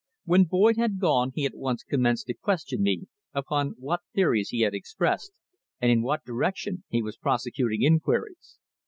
When Boyd had gone he at once commenced to question me upon what theories he had expressed, and in what direction he was prosecuting inquiries.